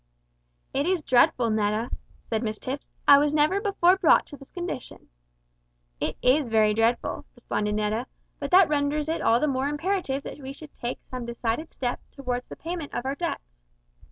"It is dreadful, Netta," said Mrs Tipps; "I was never before brought to this condition." "It is very dreadful," responded Netta, "but that renders it all the more imperative that we should take some decided step towards the payment of our debts."